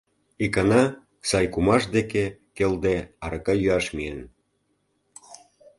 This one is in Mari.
Икана сай кумаж деке келде арака йӱаш миен.